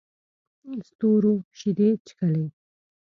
ستورو شیدې چښلې